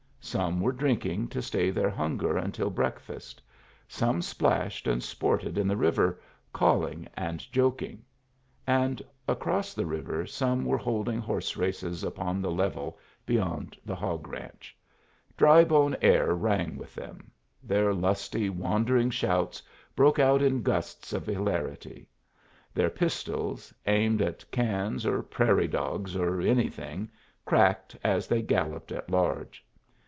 Some were drinking to stay their hunger until breakfast; some splashed and sported in the river, calling and joking; and across the river some were holding horse races upon the level beyond the hog ranch. Drybone air rang with them. Their lusty, wandering shouts broke out in gusts of hilarity. Their pistols, aimed at cans or prairie dogs or anything, cracked as they galloped at large.